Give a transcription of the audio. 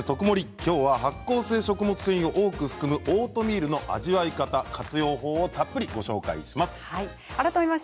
きょうは発酵性食物繊維を多く含むオートミールの味わい方、活用法をたっぷりご紹介します。